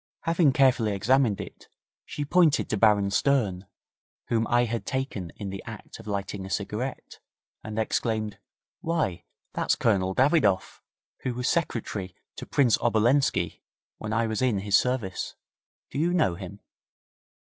Having carefully examined it, she pointed to Baron Stern, whom I had taken in the act of lighting a cigarette, and exclaimed 'Why! that's Colonel Davidoff, who was secretary to Prince Obolenski when I was in his service. Do you know him?'